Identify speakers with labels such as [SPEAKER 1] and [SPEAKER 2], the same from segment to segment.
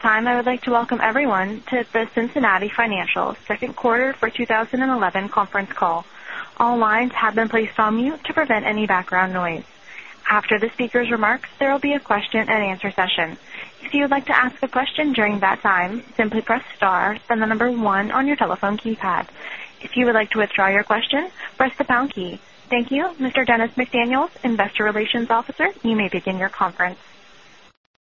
[SPEAKER 1] At this time, I would like to welcome everyone to the Cincinnati Financial second quarter for 2011 conference call. All lines have been placed on mute to prevent any background noise. After the speaker's remarks, there will be a question and answer session. If you would like to ask a question during that time, simply press star, then the number 1 on your telephone keypad. If you would like to withdraw your question, press the pound key. Thank you. Mr. Dennis McDaniel, Investor Relations Officer, you may begin your conference.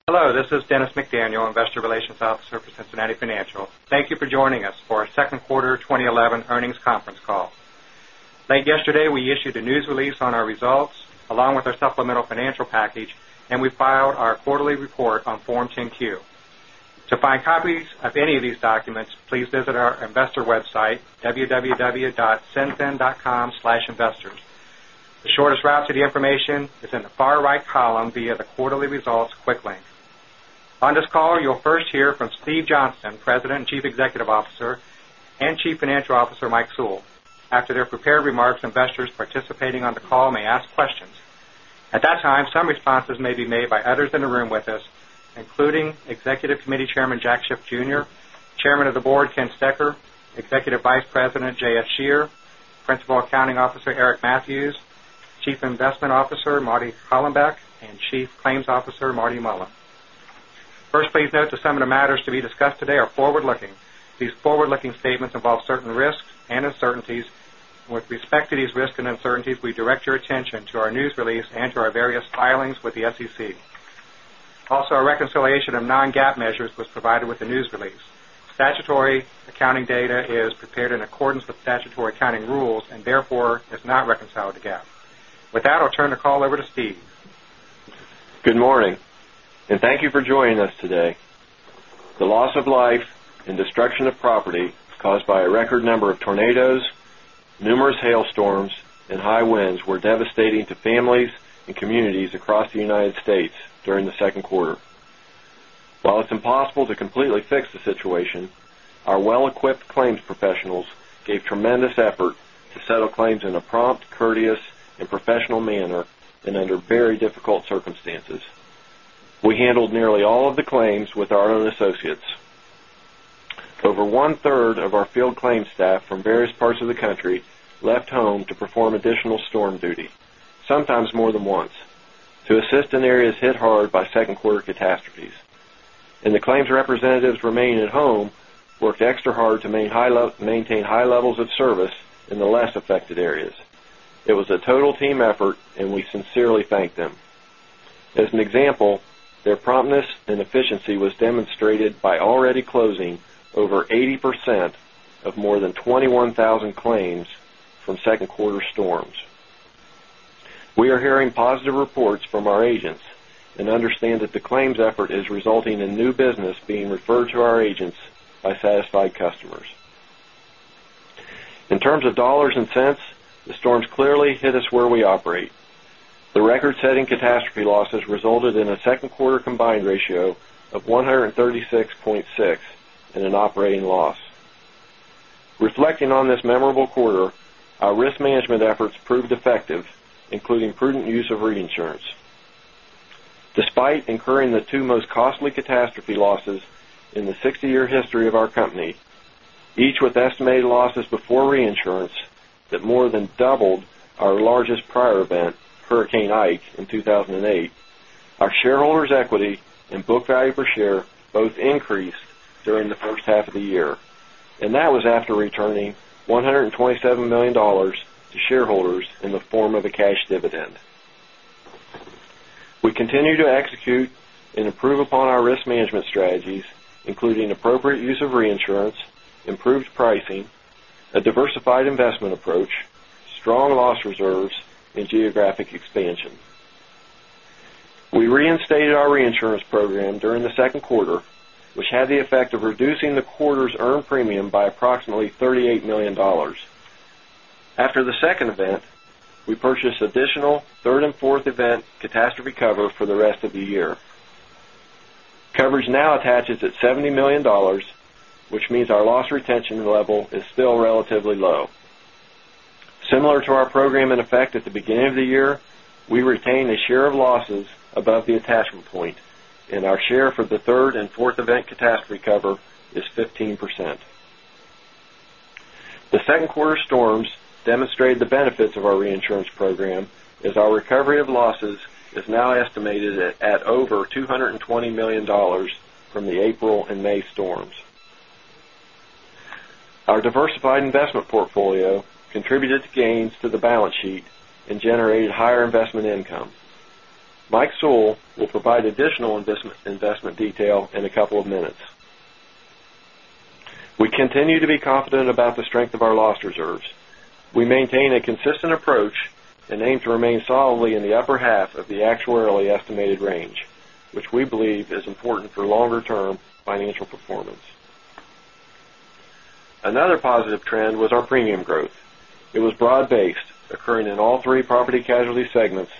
[SPEAKER 2] Hello, this is Dennis McDaniel, Investor Relations Officer for Cincinnati Financial. Thank you for joining us for our second quarter 2011 earnings conference call. Late yesterday, we issued a news release on our results, along with our supplemental financial package, and we filed our quarterly report on Form 10-Q. To find copies of any of these documents, please visit our investor website, www.cinfin.com/investors. The shortest route to the information is in the far right column via the Quarterly Results quick link. On this call, you'll first hear from Steve Johnston, President and Chief Executive Officer, and Chief Financial Officer, Mike Sewell. After their prepared remarks, investors participating on the call may ask questions. At that time, some responses may be made by others in the room with us, including Chairman of the Executive Committee Jack Schiff Jr., Chairman of the Board Ken Stecher, Executive Vice President J.F. Scherer, Principal Accounting Officer Eric Mathews, Chief Investment Officer Marty Hollenbeck, and Chief Claims Officer Marty Mullen. First, please note that some of the matters to be discussed today are forward-looking. These forward-looking statements involve certain risks and uncertainties. With respect to these risks and uncertainties, we direct your attention to our news release and to our various filings with the SEC. Also, a reconciliation of non-GAAP measures was provided with the news release. Statutory accounting data is prepared in accordance with statutory accounting rules and therefore is not reconciled to GAAP. With that, I'll turn the call over to Steve.
[SPEAKER 3] Good morning. Thank you for joining us today. The loss of life and destruction of property caused by a record number of tornadoes, numerous hailstorms, and high winds were devastating to families and communities across the U.S. during the second quarter. While it's impossible to completely fix the situation, our well-equipped claims professionals gave tremendous effort to settle claims in a prompt, courteous, and professional manner and under very difficult circumstances. We handled nearly all of the claims with our own associates. Over one-third of our field claims staff from various parts of the country left home to perform additional storm duty, sometimes more than once, to assist in areas hit hard by second quarter catastrophes. The claims representatives remaining at home worked extra hard to maintain high levels of service in the less affected areas. It was a total team effort, and we sincerely thank them. As an example, their promptness and efficiency was demonstrated by already closing over 80% of more than 21,000 claims from second quarter storms. We are hearing positive reports from our agents and understand that the claims effort is resulting in new business being referred to our agents by satisfied customers. In terms of dollars and cents, the storms clearly hit us where we operate. The record-setting catastrophe losses resulted in a second quarter combined ratio of 136.6 and an operating loss. Reflecting on this memorable quarter, our risk management efforts proved effective, including prudent use of reinsurance. Despite incurring the two most costly catastrophe losses in the 60-year history of our company, each with estimated losses before reinsurance that more than doubled our largest prior event, Hurricane Ike in 2008, our shareholders' equity and book value per share both increased during the first half of the year. That was after returning $127 million to shareholders in the form of a cash dividend. We continue to execute and improve upon our risk management strategies, including appropriate use of reinsurance, improved pricing, a diversified investment approach, strong loss reserves, and geographic expansion. We reinstated our reinsurance program during the second quarter, which had the effect of reducing the quarter's earned premium by approximately $38 million. After the second event, we purchased additional third and fourth event catastrophe cover for the rest of the year. Coverage now attaches at $70 million, which means our loss retention level is still relatively low. Similar to our program in effect at the beginning of the year, we retain a share of losses above the attachment point. Our share for the third and fourth event catastrophe cover is 15%. The second quarter storms demonstrated the benefits of our reinsurance program, as our recovery of losses is now estimated at over $220 million from the April and May storms. Our diversified investment portfolio contributed to gains to the balance sheet and generated higher investment income. Mike Sewell will provide additional investment detail in a couple of minutes. We continue to be confident about the strength of our loss reserves. We maintain a consistent approach and aim to remain solidly in the upper half of the actuarially estimated range, which we believe is important for longer-term financial performance. Another positive trend was our premium growth. It was broad-based, occurring in all three property casualty segments.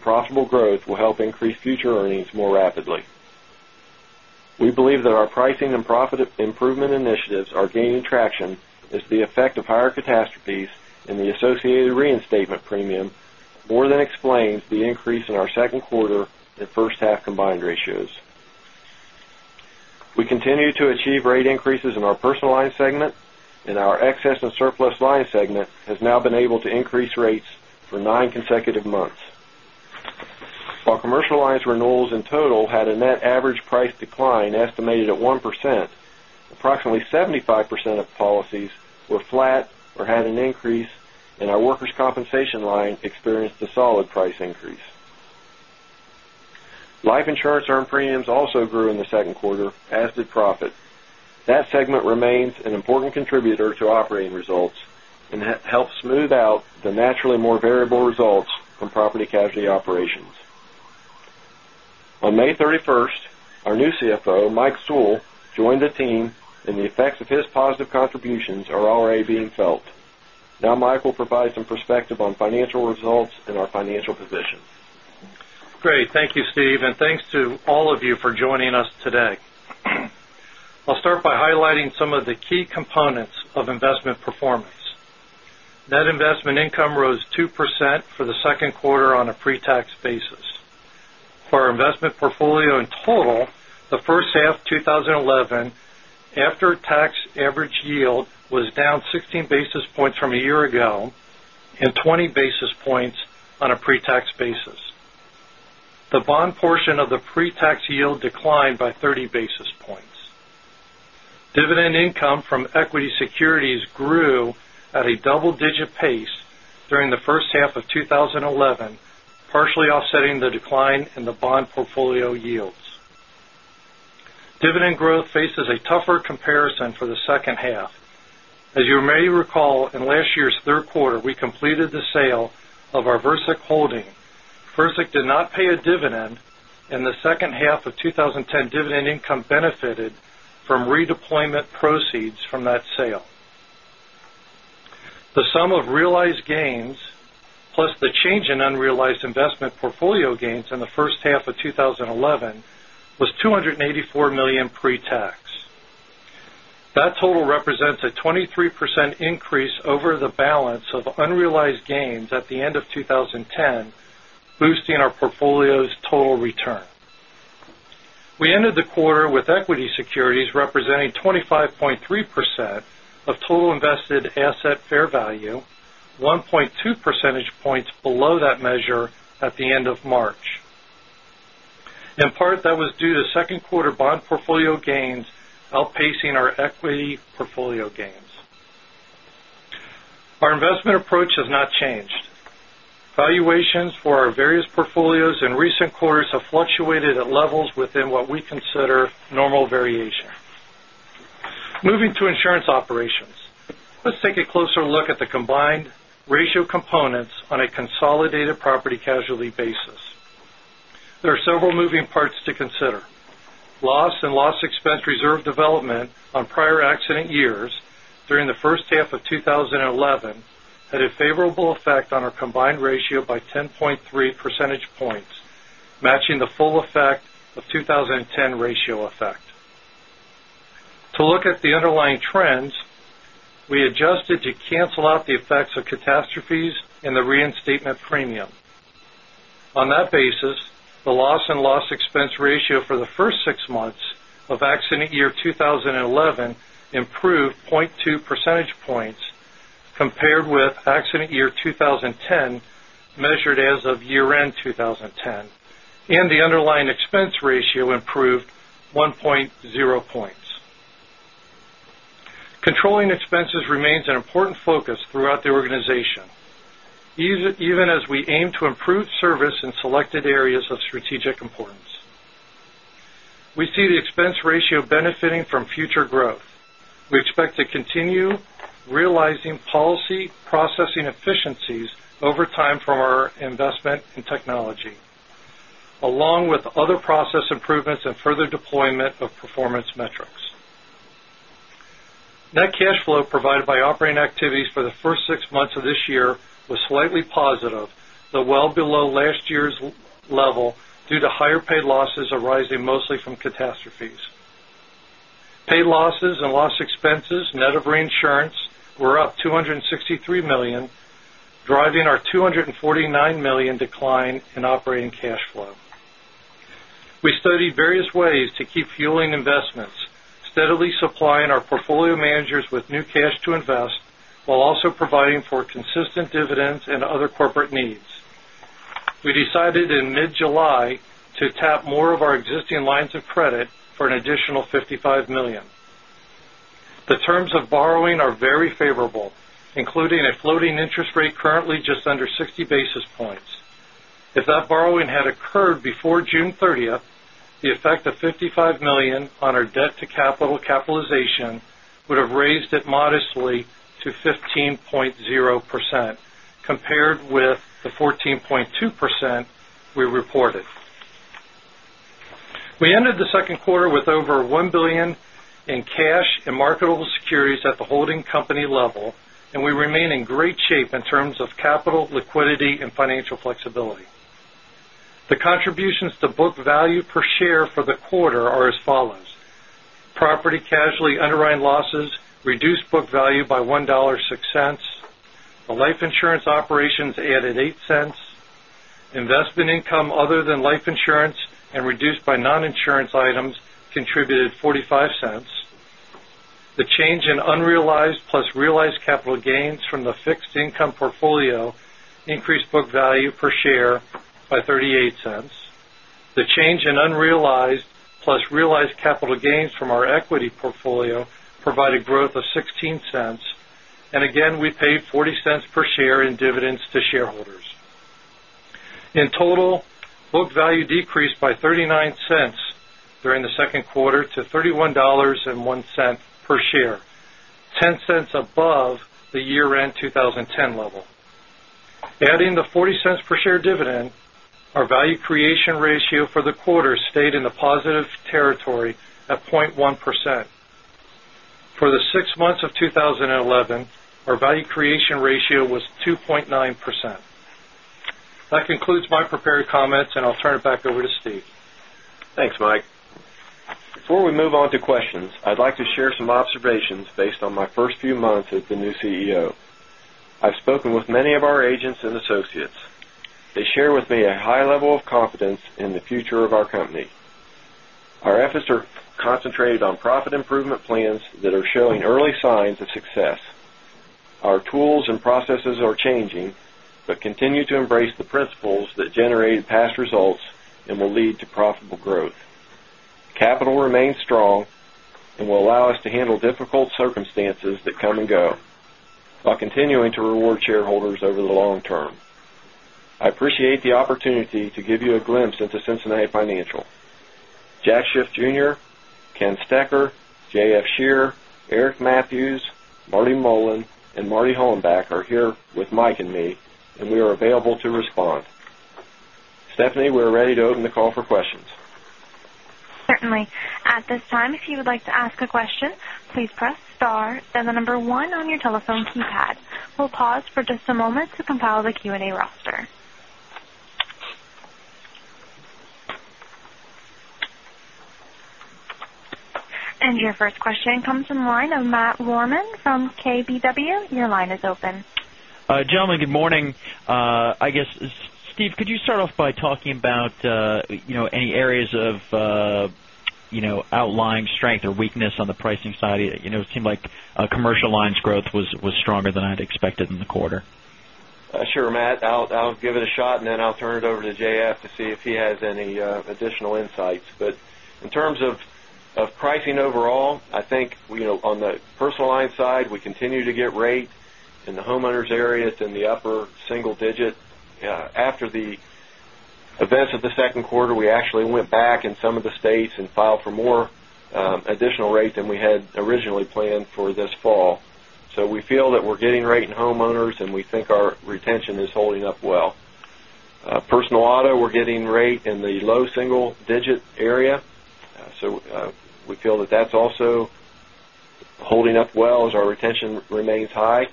[SPEAKER 3] Profitable growth will help increase future earnings more rapidly. We believe that our pricing and profit improvement initiatives are gaining traction as the effect of higher catastrophes and the associated reinstatement premium more than explains the increase in our second quarter and first half combined ratios. We continue to achieve rate increases in our personal line segment. Our excess and surplus line segment has now been able to increase rates for nine consecutive months. While commercial lines renewals in total had a net average price decline estimated at 1%, approximately 75% of policies were flat or had an increase. Our workers' compensation line experienced a solid price increase. Life insurance earned premiums also grew in the second quarter, as did profit. That segment remains an important contributor to operating results and helps smooth out the naturally more variable results from property casualty operations. On May 31st, our new CFO, Mike Sewell, joined the team, and the effects of his positive contributions are already being felt. Mike will provide some perspective on financial results and our financial position.
[SPEAKER 4] Great. Thank you, Steve, and thanks to all of you for joining us today. I'll start by highlighting some of the key components of investment performance. Net investment income rose 2% for the second quarter on a pre-tax basis. For our investment portfolio in total, the first half of 2011, after-tax average yield was down 16 basis points from a year ago and 20 basis points on a pre-tax basis. The bond portion of the pre-tax yield declined by 30 basis points. Dividend income from equity securities grew at a double-digit pace during the first half of 2011, partially offsetting the decline in the bond portfolio yields. Dividend growth faces a tougher comparison for the second half. As you may recall, in last year's third quarter, we completed the sale of our Verisk holding. Verisk did not pay a dividend in the second half of 2010. Dividend income benefited from redeployment proceeds from that sale. The sum of realized gains, plus the change in unrealized investment portfolio gains in the first half of 2011, was $284 million pre-tax. That total represents a 23% increase over the balance of unrealized gains at the end of 2010, boosting our portfolio's total return. We ended the quarter with equity securities representing 25.3% of total invested asset fair value, 1.2 percentage points below that measure at the end of March. In part, that was due to second quarter bond portfolio gains outpacing our equity portfolio gains. Our investment approach has not changed. Valuations for our various portfolios in recent quarters have fluctuated at levels within what we consider normal variation. Moving to insurance operations, let's take a closer look at the combined ratio components on a consolidated property casualty basis. There are several moving parts to consider. Loss and loss expense reserve development on prior accident years during the first half of 2011 had a favorable effect on our combined ratio by 10.3 percentage points, matching the full effect of 2010 ratio effect. To look at the underlying trends, we adjusted to cancel out the effects of catastrophes and the reinstatement premium. On that basis, the loss and loss expense ratio for the first six months of accident year 2011 improved 0.2 percentage points compared with accident year 2010, measured as of year-end 2010, and the underlying expense ratio improved 1.0 points. Controlling expenses remains an important focus throughout the organization, even as we aim to improve service in selected areas of strategic importance. We see the expense ratio benefiting from future growth. We expect to continue realizing policy processing efficiencies over time from our investment in technology, along with other process improvements and further deployment of performance metrics. Net cash flow provided by operating activities for the first six months of this year was slightly positive, though well below last year's level due to higher paid losses arising mostly from catastrophes. Paid losses and loss expenses, net of reinsurance, were up $263 million, driving our $249 million decline in operating cash flow. We studied various ways to keep fueling investments, steadily supplying our portfolio managers with new cash to invest while also providing for consistent dividends and other corporate needs. We decided in mid-July to tap more of our existing lines of credit for an additional $55 million. The terms of borrowing are very favorable, including a floating interest rate currently just under 60 basis points. If that borrowing had occurred before June 30th, the effect of $55 million on our debt-to-capital would have raised it modestly to 15.0%, compared with the 14.2% we reported. We ended the second quarter with over $1 billion in cash and marketable securities at the holding company level, and we remain in great shape in terms of capital, liquidity, and financial flexibility. The contributions to book value per share for the quarter are as follows: Property casualty underwriting losses reduced book value by $1.06. The life insurance operations added $0.08. Investment income other than life insurance and reduced by non-insurance items contributed $0.45. The change in unrealized plus realized capital gains from the fixed income portfolio increased book value per share by $0.38. The change in unrealized plus realized capital gains from our equity portfolio provided growth of $0.16. Again, we paid $0.40 per share in dividends to shareholders. In total, book value decreased by $0.39 during the second quarter to $31.01 per share, $0.10 above the year-end 2010 level. Adding the $0.40 per share dividend, our value creation ratio for the quarter stayed in the positive territory at 0.1%. For the six months of 2011, our value creation ratio was 2.9%. That concludes my prepared comments, I'll turn it back over to Steve.
[SPEAKER 3] Thanks, Mike. Before we move on to questions, I'd like to share some observations based on my first few months as the new CEO. I've spoken with many of our agents and associates. They share with me a high level of confidence in the future of our company. Our efforts are concentrated on profit improvement plans that are showing early signs of success. Our tools and processes are changing but continue to embrace the principles that generated past results and will lead to profitable growth. Capital remains strong and will allow us to handle difficult circumstances that come and go while continuing to reward shareholders over the long term. I appreciate the opportunity to give you a glimpse into Cincinnati Financial. Jack Schiff Jr., Ken Stecher, J.F. Scherer, Eric Mathews, Marty Mullen, and Marty Hollenbeck are here with Mike and me, We are available to respond. Stephanie, we're ready to open the call for questions.
[SPEAKER 1] Certainly. At this time, if you would like to ask a question, please press star, then the number 1 on your telephone keypad. We'll pause for just a moment to compile the Q&A roster. Your first question comes from the line of Matt Rohman from KBW. Your line is open.
[SPEAKER 5] Gentlemen, good morning. I guess, Steve, could you start off by talking about any areas of outlying strength or weakness on the pricing side? It seemed like commercial lines growth was stronger than I'd expected in the quarter.
[SPEAKER 3] Sure, Matt. I'll give it a shot. Then I'll turn it over to J.F. to see if he has any additional insights. In terms of pricing overall, I think on the personal line side, we continue to get rate in the homeowners area. It's in the upper single digits. After the events of the second quarter, we actually went back in some of the states and filed for more additional rate than we had originally planned for this fall. We feel that we're getting rate in homeowners, and we think our retention is holding up well. Personal auto, we're getting rate in the low single-digit area. We feel that that's also holding up well as our retention remains high.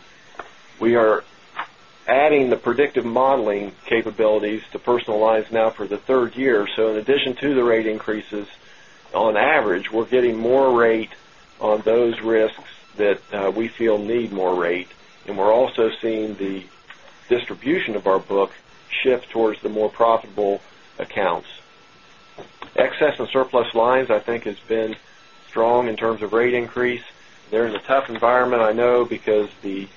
[SPEAKER 3] We are adding the predictive modeling capabilities to personal lines now for the third year. In addition to the rate increases, on average, we're getting more rate on those risks that we feel need more rate. We're also seeing the distribution of our book shift towards the more profitable accounts. Excess and surplus lines I think has been strong in terms of rate increase. They're in a tough environment, I know because the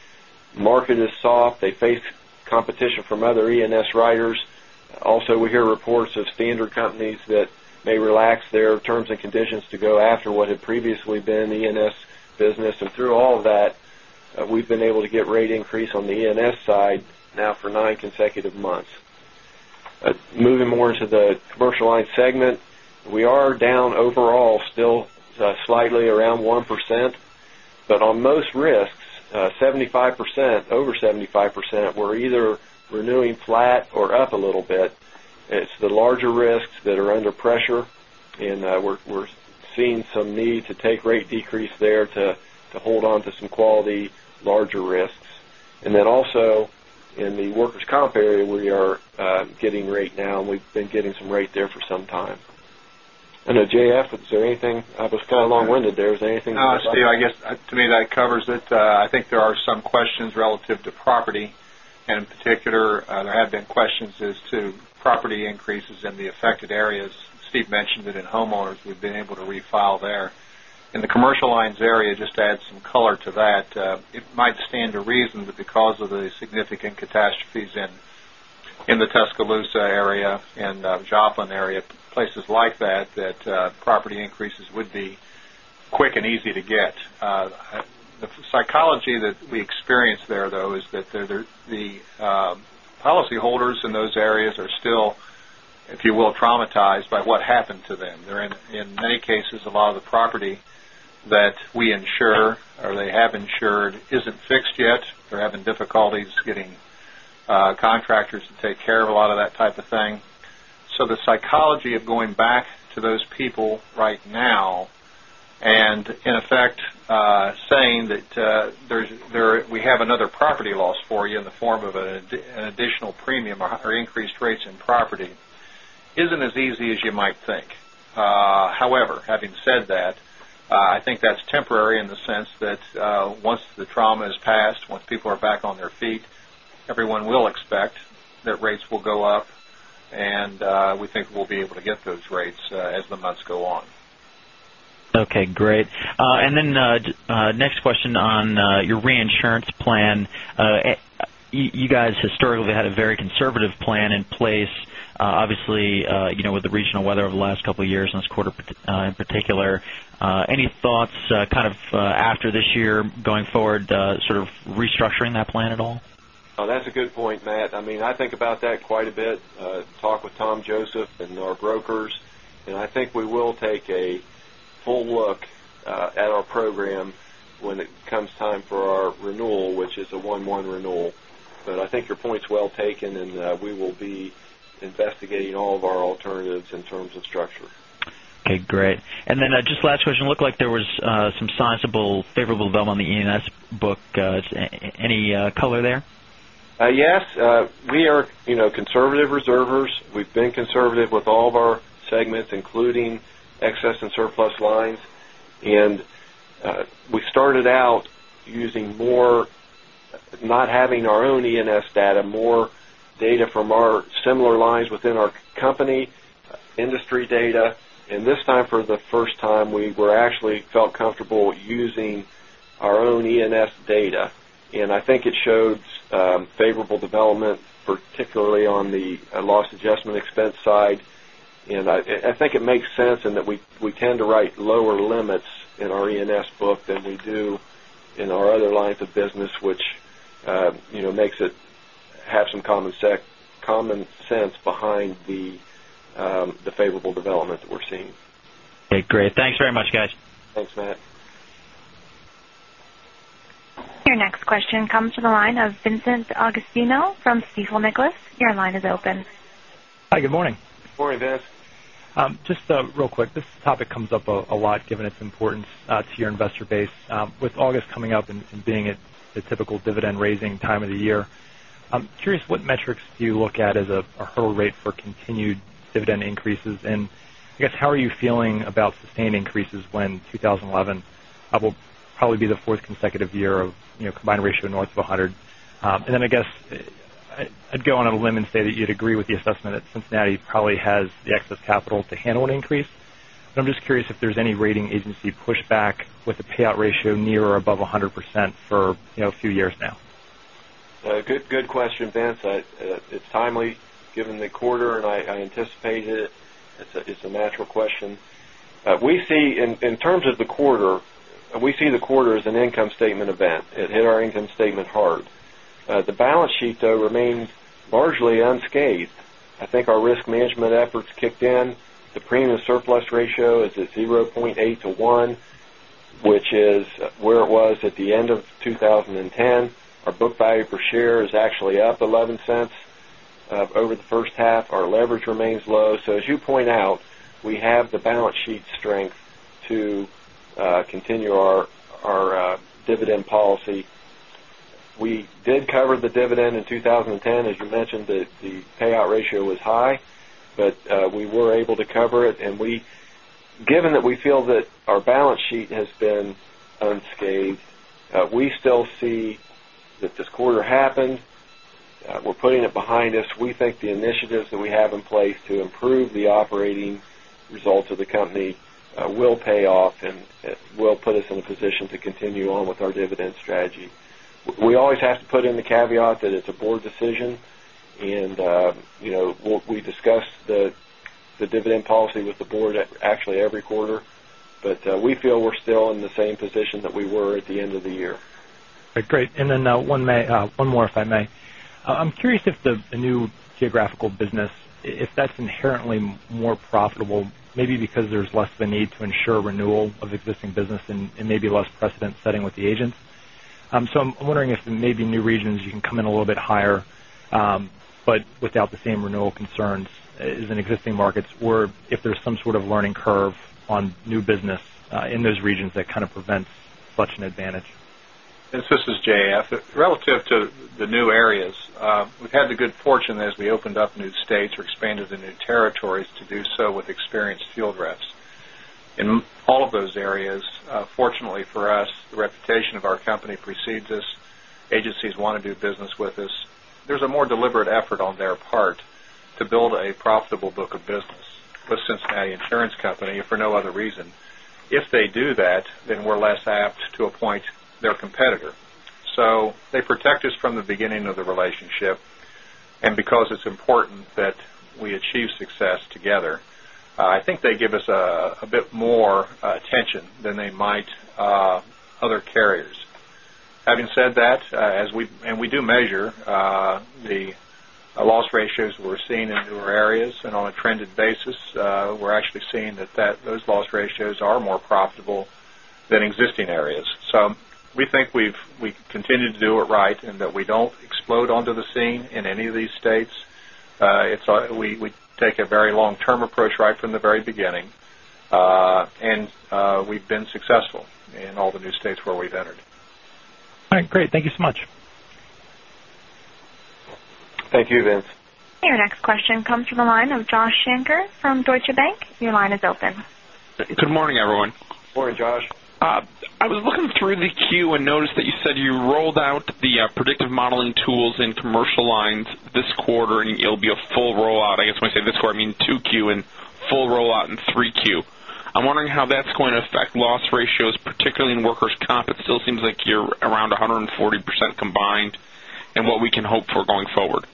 [SPEAKER 3] market is soft. They face competition from other E&S writers. Also, we hear reports of standard companies that may relax their terms and conditions to go after what had previously been E&S business. Through all of that, we've been able to get rate increase on the E&S side now for nine consecutive months. Moving more into the commercial line segment, we are down overall still slightly around 1%. On most risks, over 75%, we're either renewing flat or up a little bit. It's the larger risks that are under pressure, and we're seeing some need to take rate decrease there to hold on to some quality larger risks. Then also in the workers' comp area, we are getting rate now, and we've been getting some rate there for some time. I know, J.F., is there anything? I was kind of long-winded there. Is there anything that you'd like to-
[SPEAKER 6] Steve, I guess to me, that covers it. I think there are some questions relative to property, and in particular, there have been questions as to property increases in the affected areas. Steve mentioned it in homeowners. We've been able to refile there. In the commercial lines area, just to add some color to that, it might stand to reason that because of the significant catastrophes in the Tuscaloosa area and Joplin area, places like that property increases would be quick and easy to get. The psychology that we experience there, though, is that the policyholders in those areas are still, if you will, traumatized by what happened to them. In many cases, a lot of the property that we insure or they have insured isn't fixed yet. They're having difficulties getting contractors to take care of a lot of that type of thing. The psychology of going back to those people right now In effect, saying that we have another property loss for you in the form of an additional premium or increased rates in property isn't as easy as you might think. However, having said that, I think that's temporary in the sense that once the trauma is passed, once people are back on their feet, everyone will expect that rates will go up. We think we'll be able to get those rates as the months go on.
[SPEAKER 5] Okay, great. Next question on your reinsurance plan. You guys historically had a very conservative plan in place. Obviously, with the regional weather over the last couple of years in this quarter, in particular. Any thoughts after this year going forward, sort of restructuring that plan at all?
[SPEAKER 3] That's a good point, Matt. I think about that quite a bit. Talk with Tom Joseph and our brokers, and I think we will take a full look at our program when it comes time for our renewal, which is a one-one renewal. I think your point's well taken, and we will be investigating all of our alternatives in terms of structure.
[SPEAKER 5] Okay, great. Just last question. Looked like there was some sizable favorable development on the E&S book. Any color there?
[SPEAKER 3] Yes. We are conservative reservers. We've been conservative with all of our segments, including Excess and Surplus lines. We started out using more, not having our own E&S data, more data from our similar lines within our company, industry data. This time, for the first time, we actually felt comfortable using our own E&S data. I think it shows favorable development, particularly on the loss adjustment expense side. I think it makes sense in that we tend to write lower limits in our E&S book than we do in our other lines of business, which makes it have some common sense behind the favorable development that we're seeing.
[SPEAKER 5] Okay, great. Thanks very much, guys.
[SPEAKER 3] Thanks, Matt.
[SPEAKER 1] Your next question comes from the line of Vincent D'Agostino from Stifel Nicolaus. Your line is open.
[SPEAKER 7] Hi, good morning.
[SPEAKER 3] Good morning, Vince.
[SPEAKER 7] Just real quick. This topic comes up a lot, given its importance to your investor base. With August coming up and being the typical dividend-raising time of the year, I'm curious what metrics do you look at as a hurdle rate for continued dividend increases? I guess how are you feeling about sustained increases when 2011 will probably be the fourth consecutive year of combined ratio north of 100? I guess, I'd go on a limb and say that you'd agree with the assessment that Cincinnati probably has the excess capital to handle an increase. I'm just curious if there's any rating agency pushback with the payout ratio near or above 100% for a few years now.
[SPEAKER 3] Good question, Vince. It's timely given the quarter, and I anticipate it. It's a natural question. In terms of the quarter, we see the quarter as an income statement event. It hit our income statement hard. The balance sheet, though, remains largely unscathed. I think our risk management efforts kicked in. The premium surplus ratio is at 0.8 to 1, which is where it was at the end of 2010. Our book value per share is actually up $0.11. Over the first half, our leverage remains low. As you point out, we have the balance sheet strength to continue our dividend policy. We did cover the dividend in 2010. As you mentioned, the payout ratio was high, we were able to cover it. Given that we feel that our balance sheet has been unscathed, we still see that this quarter happened. We're putting it behind us. We think the initiatives that we have in place to improve the operating results of the company will pay off, will put us in a position to continue on with our dividend strategy. We always have to put in the caveat that it's a board decision, and we discuss the dividend policy with the board actually every quarter. We feel we're still in the same position that we were at the end of the year.
[SPEAKER 7] Great. Then one more, if I may. I'm curious if the new geographical business, if that's inherently more profitable, maybe because there's less of a need to ensure renewal of existing business and maybe less precedent setting with the agents. I'm wondering if in maybe new regions you can come in a little bit higher but without the same renewal concerns as in existing markets, or if there's some sort of learning curve on new business in those regions that kind of prevents such an advantage.
[SPEAKER 6] Vince, this is J.F. Relative to the new areas, we've had the good fortune as we opened up new states or expanded to new territories to do so with experienced field reps. In all of those areas, fortunately for us, the reputation of our company precedes us. Agencies want to do business with us. There's a more deliberate effort on their part to build a profitable book of business with The Cincinnati Insurance Company for no other reason. If they do that, then we're less apt to appoint their competitor. They protect us from the beginning of the relationship. Because it's important that we achieve success together, I think they give us a bit more attention than they might other carriers.
[SPEAKER 3] Having said that, we do measure the loss ratios we're seeing in newer areas, on a trended basis, we're actually seeing that those loss ratios are more profitable than existing areas. We think we've continued to do it right and that we don't explode onto the scene in any of these states We take a very long-term approach right from the very beginning. We've been successful in all the new states where we've entered.
[SPEAKER 7] All right, great. Thank you so much.
[SPEAKER 3] Thank you, Vince.
[SPEAKER 1] Your next question comes from the line of Joshua Shanker from Deutsche Bank. Your line is open.
[SPEAKER 8] Good morning, everyone.
[SPEAKER 3] Morning, Josh.
[SPEAKER 8] I was looking through the Q and noticed that you said you rolled out the predictive modeling tools in commercial lines this quarter. It'll be a full rollout. I guess when I say this quarter, I mean 2Q and full rollout in 3Q. I'm wondering how that's going to affect loss ratios, particularly in workers' comp. It still seems like you're around 140% combined, what we can hope for going forward.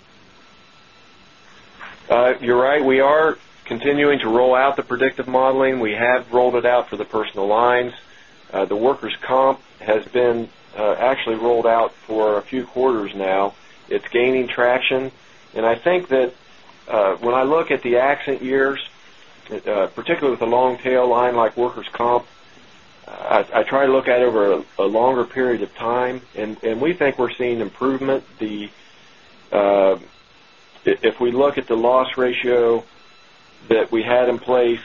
[SPEAKER 3] You're right. We are continuing to roll out the predictive modeling. We have rolled it out for the personal lines. The workers' comp has been actually rolled out for a few quarters now. It's gaining traction. I think that when I look at the accident years, particularly with a long-tail line like workers' comp, I try to look at it over a longer period of time. We think we're seeing improvement. If we look at the loss ratio that we had in place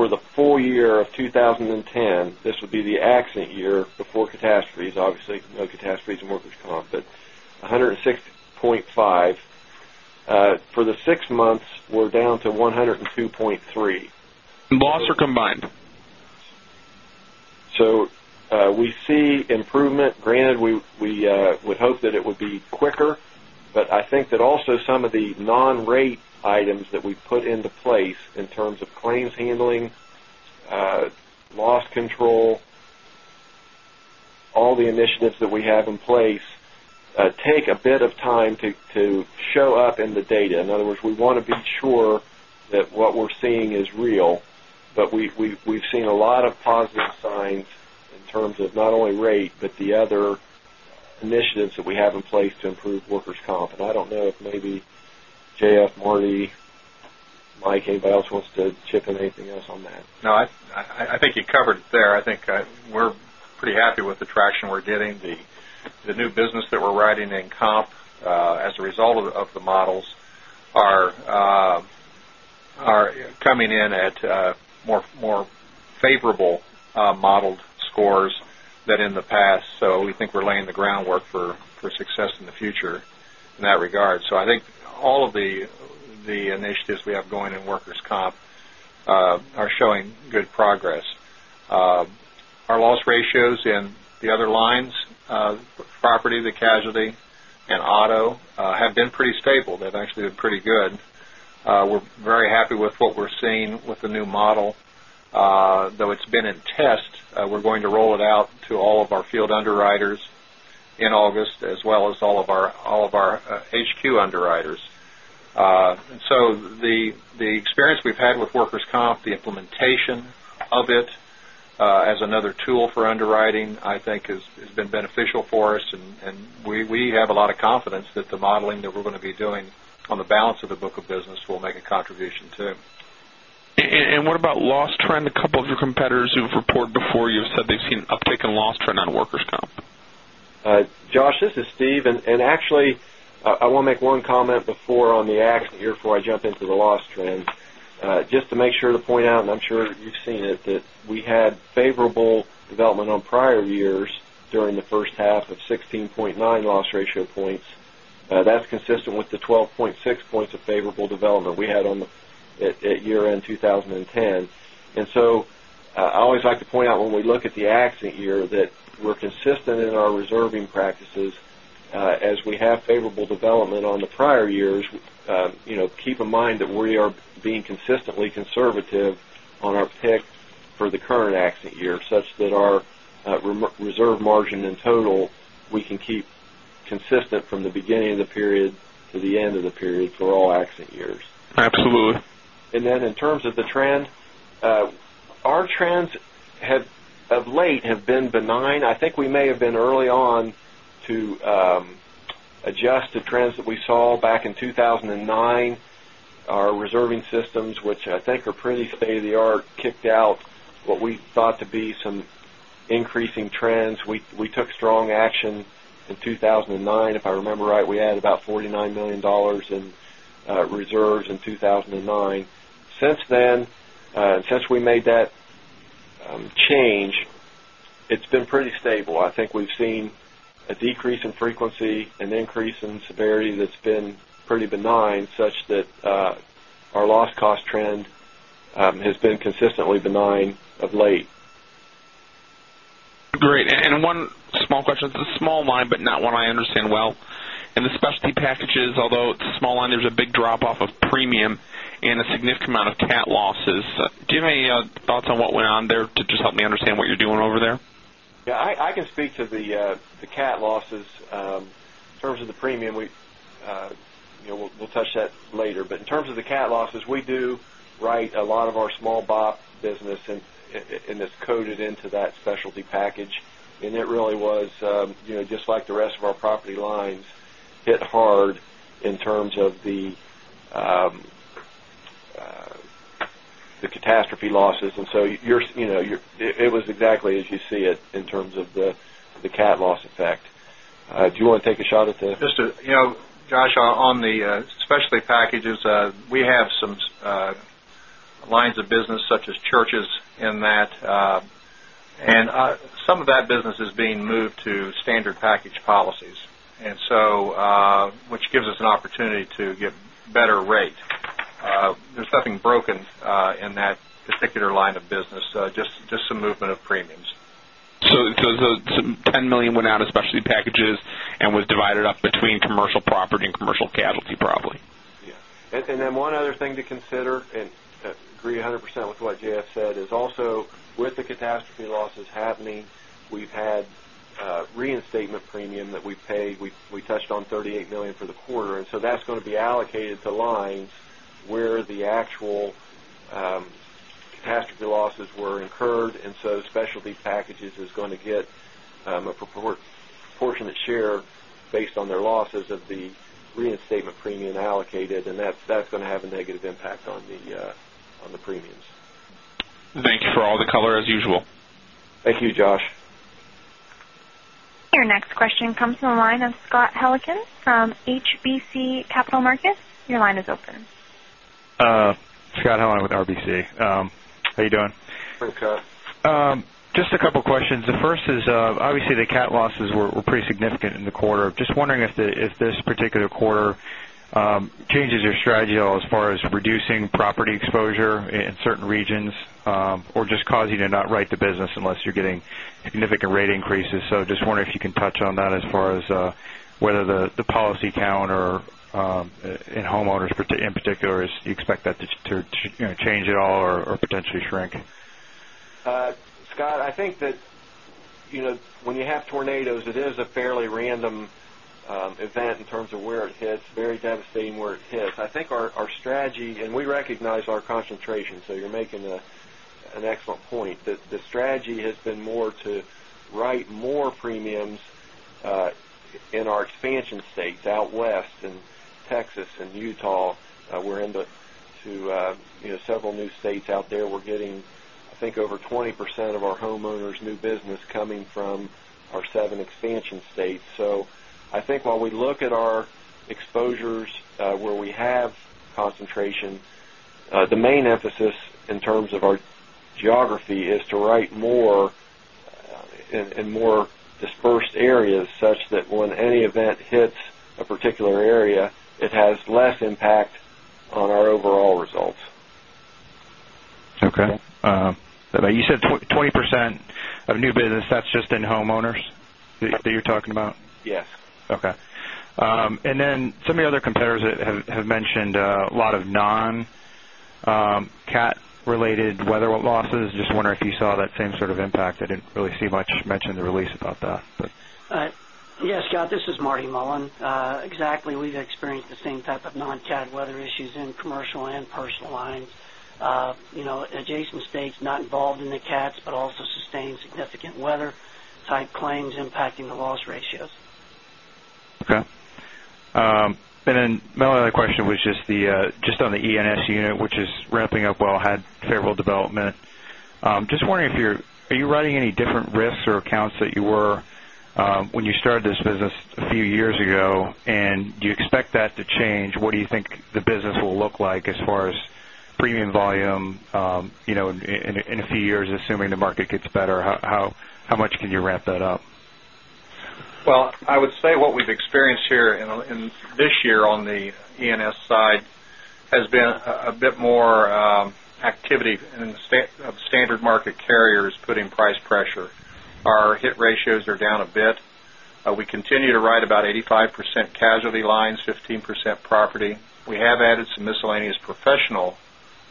[SPEAKER 3] for the full year of 2010, this would be the accident year before catastrophes. Obviously, no catastrophes in workers' comp, but 106.5. For the six months, we're down to 102.3.
[SPEAKER 8] Loss or combined?
[SPEAKER 3] We see improvement. Granted, we would hope that it would be quicker. I think that also some of the non-rate items that we put into place in terms of claims handling, loss control, all the initiatives that we have in place, take a bit of time to show up in the data. In other words, we want to be sure that what we're seeing is real. We've seen a lot of positive signs in terms of not only rate, but the other initiatives that we have in place to improve workers' comp. I don't know if maybe J.F., Marty, Mike, anybody else wants to chip in anything else on that.
[SPEAKER 6] No, I think you covered it there. I think we're pretty happy with the traction we're getting. The new business that we're writing in comp, as a result of the models, are coming in at more favorable modeled scores than in the past. We think we're laying the groundwork for success in the future in that regard. I think all of the initiatives we have going in workers' comp are showing good progress. Our loss ratios in the other lines, property, the casualty, and auto, have been pretty stable. They've actually been pretty good. We're very happy with what we're seeing with the new model. Though it's been in test, we're going to roll it out to all of our field underwriters in August, as well as all of our HQ underwriters. The experience we've had with workers' comp, the implementation of it as another tool for underwriting, I think, has been beneficial for us. We have a lot of confidence that the modeling that we're going to be doing on the balance of the book of business will make a contribution, too.
[SPEAKER 8] What about loss trend? A couple of your competitors who've reported before you have said they've seen an uptick in loss trend on workers' comp.
[SPEAKER 3] Josh, this is Steve. I want to make one comment before on the accident year before I jump into the loss trends. Just to make sure to point out, and I'm sure you've seen it, that we had favorable development on prior years during the first half of 16.9 loss ratio points. That's consistent with the 12.6 points of favorable development we had at year-end 2010. I always like to point out when we look at the accident year that we're consistent in our reserving practices. As we have favorable development on the prior years, keep in mind that we are being consistently conservative on our pick for the current accident year, such that our reserve margin in total, we can keep consistent from the beginning of the period to the end of the period for all accident years.
[SPEAKER 8] Absolutely.
[SPEAKER 3] In terms of the trend, our trends of late have been benign. I think we may have been early on to adjust the trends that we saw back in 2009. Our reserving systems, which I think are pretty state-of-the-art, kicked out what we thought to be some increasing trends. We took strong action in 2009. If I remember right, we added about $49 million in reserves in 2009. Since then, since we made that change, it's been pretty stable. I think we've seen a decrease in frequency, an increase in severity that's been pretty benign, such that our loss cost trend has been consistently benign of late.
[SPEAKER 8] Great. One small question. It's a small line, but not one I understand well. In the specialty packages, although it's a small line, there's a big drop-off of premium and a significant amount of cat losses. Do you have any thoughts on what went on there to just help me understand what you're doing over there?
[SPEAKER 3] I can speak to the cat losses. In terms of the premium, we'll touch that later. In terms of the cat losses, we do write a lot of our small BOP business, and it's coded into that specialty package. It really was, just like the rest of our property lines, hit hard in terms of the The catastrophe losses. It was exactly as you see it in terms of the cat loss effect. Do you want to take a shot at the
[SPEAKER 6] Josh, on the specialty packages, we have some lines of business such as churches in that, and some of that business is being moved to standard package policies, which gives us an opportunity to get better rate. There's nothing broken in that particular line of business, just some movement of premiums.
[SPEAKER 8] Some $10 million went out of specialty packages and was divided up between commercial property and commercial casualty, probably.
[SPEAKER 3] Yeah. One other thing to consider, and agree 100% with what J.F. said, is also with the catastrophe losses happening, we've had reinstatement premium that we paid. We touched on $38 million for the quarter, that's going to be allocated to lines where the actual catastrophe losses were incurred. Specialty packages is going to get a proportionate share based on their losses of the reinstatement premium allocated, and that's going to have a negative impact on the premiums.
[SPEAKER 8] Thank you for all the color, as usual.
[SPEAKER 3] Thank you, Josh.
[SPEAKER 1] Your next question comes from the line of Scott Heleniak from RBC Capital Markets. Your line is open.
[SPEAKER 9] Scott Heleniak with RBC. How you doing?
[SPEAKER 3] Hi, Scott.
[SPEAKER 9] Just a couple of questions. The first is, obviously, the cat losses were pretty significant in the quarter. Just wondering if this particular quarter changes your strategy at all as far as reducing property exposure in certain regions, or just causing you to not write the business unless you're getting significant rate increases. Just wonder if you can touch on that as far as whether the policy count or in homeowners in particular, do you expect that to change at all or potentially shrink?
[SPEAKER 3] Scott, I think that when you have tornadoes, it is a fairly random event in terms of where it hits. Very devastating where it hits. I think our strategy, and we recognize our concentration, you're making an excellent point. The strategy has been more to write more premiums in our expansion states out west in Texas and Utah. We're into several new states out there. We're getting, I think, over 20% of our homeowners' new business coming from our seven expansion states. I think while we look at our exposures where we have concentration, the main emphasis in terms of our geography is to write more in more dispersed areas, such that when any event hits a particular area, it has less impact on our overall results.
[SPEAKER 9] Okay. You said 20% of new business. That's just in homeowners that you're talking about?
[SPEAKER 3] Yes.
[SPEAKER 9] Okay. Some of your other competitors have mentioned a lot of non-cat related weather losses. Just wondering if you saw that same sort of impact. I didn't really see much mentioned in the release about that.
[SPEAKER 10] Yes, Scott, this is Marty Mullen. Exactly. We've experienced the same type of non-cat weather issues in commercial and personal lines. Adjacent states not involved in the cats, but also sustained significant weather-type claims impacting the loss ratios.
[SPEAKER 9] Okay. My only other question was just on the E&S unit, which is ramping up well, had favorable development. Just wondering, are you writing any different risks or accounts than you were when you started this business a few years ago? Do you expect that to change? What do you think the business will look like as far as premium volume in a few years, assuming the market gets better? How much can you ramp that up?
[SPEAKER 3] Well, I would say what we've experienced here this year on the E&S side has been a bit more activity of standard market carriers putting price pressure. Our hit ratios are down a bit. We continue to write about 85% casualty lines, 15% property. We have added some miscellaneous professional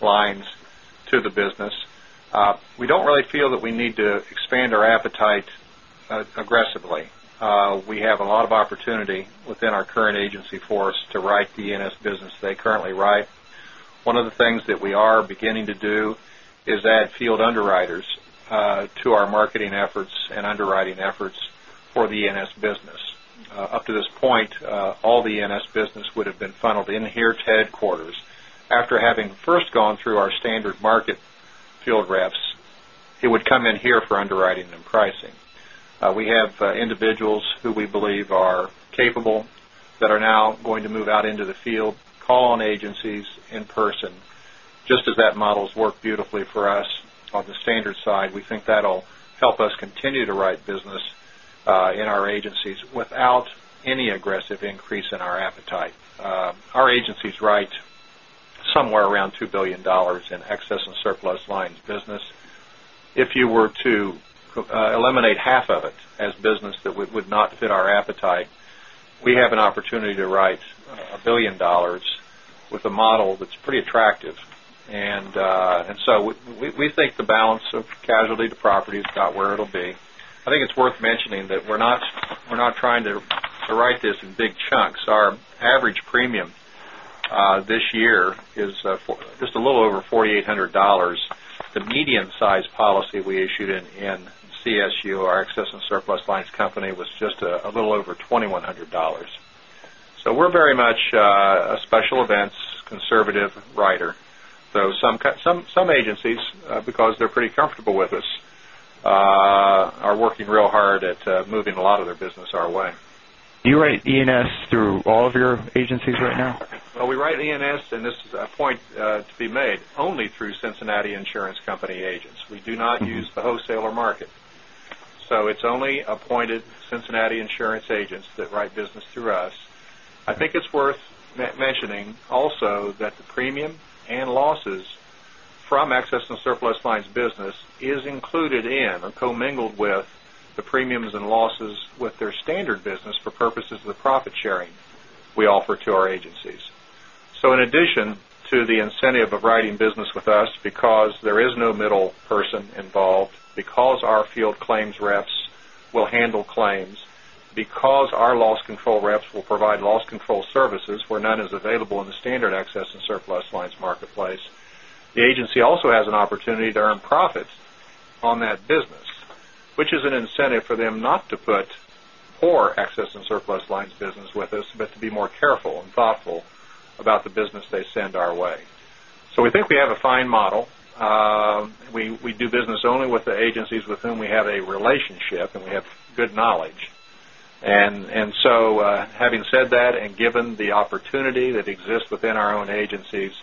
[SPEAKER 3] lines to the business. We don't really feel that we need to expand our appetite aggressively. We have a lot of opportunity within our current agency force to write the E&S business they currently write. One of the things that we are beginning to do is add field underwriters to our marketing efforts and underwriting efforts for the E&S business. Up to this point, all the E&S business would have been funneled in here to headquarters. After having first gone through our standard market field reps, it would come in here for underwriting and pricing. We have individuals who we believe are capable that are now going to move out into the field, call on agencies in person. Just as that model's worked beautifully for us on the standard side, we think that'll help us continue to write business in our agencies without any aggressive increase in our appetite. Our agencies write somewhere around $2 billion in Excess and Surplus lines business. If you were to eliminate half of it as business that would not fit our appetite, we have an opportunity to write a billion dollars with a model that's pretty attractive. We think the balance of casualty to property is about where it'll be. I think it's worth mentioning that we're not trying to write this in big chunks. Our average premium this year is just a little over $4,800. The medium-sized policy we issued in CSU, our Excess and Surplus lines company, was just a little over $2,100.
[SPEAKER 6] We're very much a special events conservative writer. Some agencies, because they're pretty comfortable with us, are working real hard at moving a lot of their business our way.
[SPEAKER 9] Do you write E&S through all of your agencies right now?
[SPEAKER 6] Well, we write E&S, and this is a point to be made, only through Cincinnati Insurance Company agents. We do not use the wholesaler market. It's only appointed Cincinnati Insurance agents that write business through us. I think it's worth mentioning also that the premium and losses from excess and surplus lines business is included in or commingled with the premiums and losses with their standard business for purposes of the profit-sharing we offer to our agencies. In addition to the incentive of writing business with us because there is no middle person involved, because our field claims reps will handle claims, because our loss control reps will provide loss control services where none is available in the standard excess and surplus lines marketplace. The agency also has an opportunity to earn profits on that business, which is an incentive for them not to put poor excess and surplus lines business with us, but to be more careful and thoughtful about the business they send our way. We think we have a fine model. We do business only with the agencies with whom we have a relationship, and we have good knowledge. Having said that, and given the opportunity that exists within our own agencies,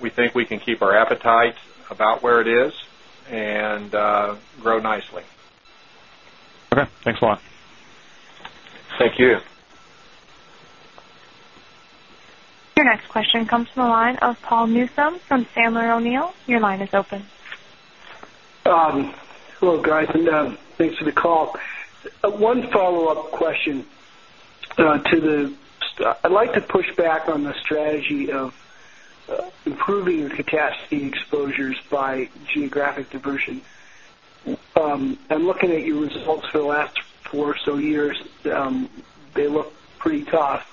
[SPEAKER 6] we think we can keep our appetite about where it is and grow nicely.
[SPEAKER 9] Okay. Thanks a lot.
[SPEAKER 6] Thank you.
[SPEAKER 1] Your next question comes from the line of Paul Newsome from Sandler O'Neill. Your line is open.
[SPEAKER 11] Hello, guys. Thanks for the call. One follow-up question. I'd like to push back on the strategy of improving your catastrophe exposures by geographic diversion. I'm looking at your results for the last four or so years. They look pretty tough.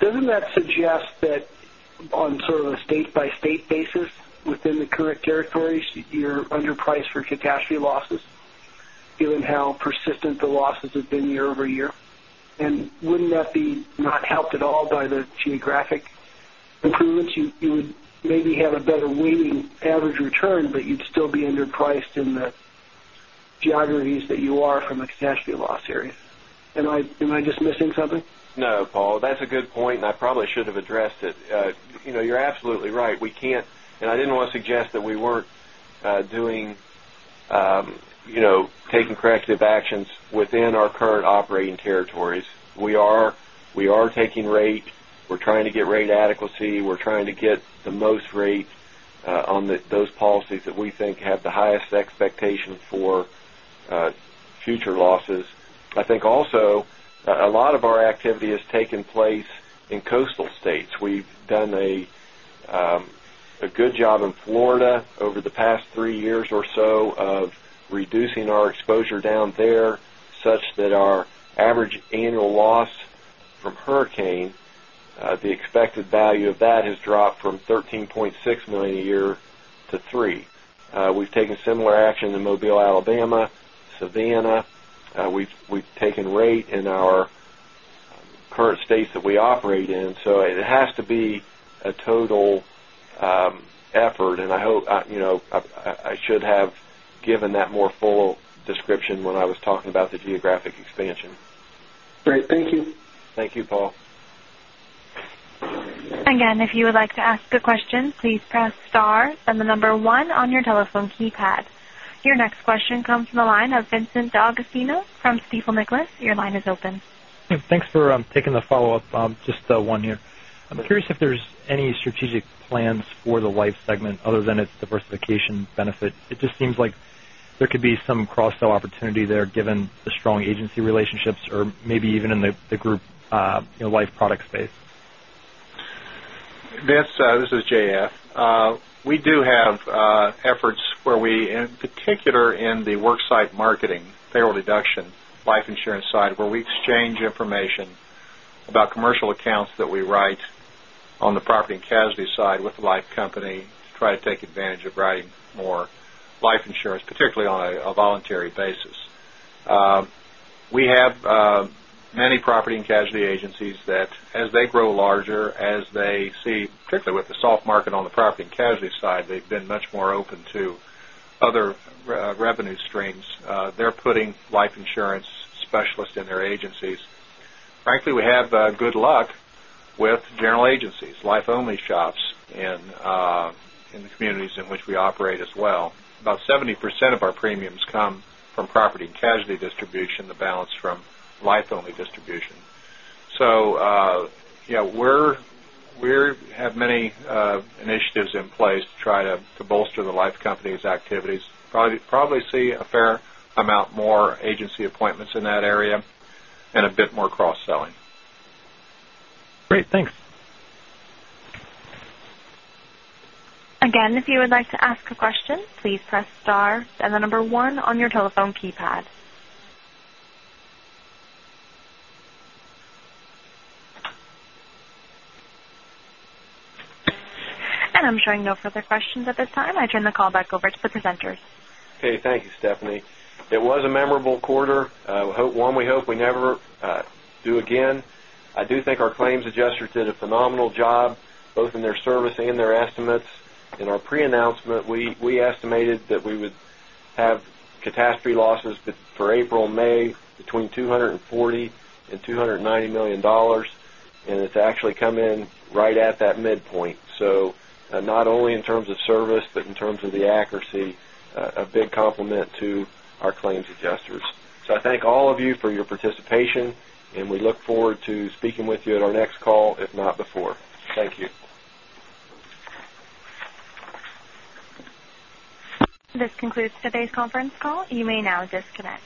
[SPEAKER 11] Doesn't that suggest that on sort of a state-by-state basis within the current territories, you're underpriced for catastrophe losses given how persistent the losses have been year-over-year? Wouldn't that be not helped at all by the geographic improvements? You would maybe have a better weighted average return, but you'd still be underpriced in the geographies that you are from a catastrophe loss area. Am I just missing something?
[SPEAKER 3] No, Paul, that's a good point, and I probably should have addressed it. You're absolutely right. We can't, and I didn't want to suggest that we weren't taking corrective actions within our current operating territories. We are taking rate. We're trying to get rate adequacy. We're trying to get the most rate on those policies that we think have the highest expectation for future losses. I think also a lot of our activity has taken place in coastal states. We've done a good job in Florida over the past three years or so of reducing our exposure down there such that our average annual loss from hurricane, the expected value of that has dropped from $13.6 million a year to three. We've taken similar action in Mobile, Alabama, Savannah. We've taken rate in our current states that we operate in. It has to be a total effort, and I should have given that more full description when I was talking about the geographic expansion.
[SPEAKER 11] Great. Thank you.
[SPEAKER 3] Thank you, Paul.
[SPEAKER 1] Again, if you would like to ask a question, please press star, then the number one on your telephone keypad. Your next question comes from the line of Vincent D'Agostino from Stifel Nicolaus. Your line is open.
[SPEAKER 7] Thanks for taking the follow-up. Just one here. I'm curious if there's any strategic plans for the life segment other than its diversification benefit. It just seems like there could be some cross-sell opportunity there given the strong agency relationships or maybe even in the group life product space.
[SPEAKER 6] Vince, this is J.F. We do have efforts where we, in particular in the worksite marketing, payroll deduction, life insurance side, where we exchange information about commercial accounts that we write on the property and casualty side with the life company to try to take advantage of writing more life insurance, particularly on a voluntary basis. We have many property and casualty agencies that as they grow larger, as they see, particularly with the soft market on the property and casualty side, they've been much more open to other revenue streams. They're putting life insurance specialists in their agencies. Frankly, we have good luck with general agencies, life-only shops in the communities in which we operate as well. About 70% of our premiums come from property and casualty distribution, the balance from life-only distribution. We have many initiatives in place to try to bolster the life company's activities. Probably see a fair amount more agency appointments in that area and a bit more cross-selling.
[SPEAKER 7] Great. Thanks.
[SPEAKER 1] Again, if you would like to ask a question, please press star, then the number one on your telephone keypad. I'm showing no further questions at this time. I turn the call back over to the presenters.
[SPEAKER 3] Okay. Thank you, Stephanie. It was a memorable quarter, one we hope we never do again. I do think our claims adjusters did a phenomenal job, both in their service and in their estimates. In our pre-announcement, we estimated that we would have catastrophe losses for April and May between $240 million and $290 million, and it's actually come in right at that midpoint. Not only in terms of service, but in terms of the accuracy, a big compliment to our claims adjusters. I thank all of you for your participation, and we look forward to speaking with you at our next call, if not before. Thank you.
[SPEAKER 1] This concludes today's conference call. You may now disconnect.